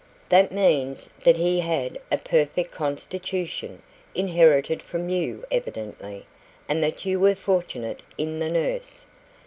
"That means that he had a perfect constitution inherited from you evidently and that you were fortunate in the nurse."